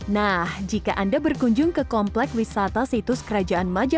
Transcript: nah jika anda berkunjung ke komplek wisata situs kerajaan majalah